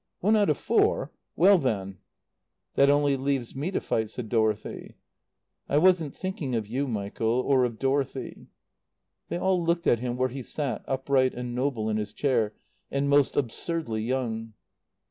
"One out of four? Well then " "That only leaves me to fight," said Dorothy. "I wasn't thinking of you, Michael. Or of Dorothy." They all looked at him where he sat, upright and noble, in his chair, and most absurdly young.